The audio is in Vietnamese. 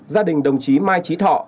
gia đình đồng chí mai trí thọ